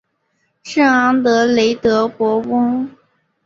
圣昂德雷德博翁。